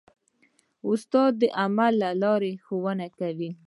استاد د عمل له لارې ښوونه کوي.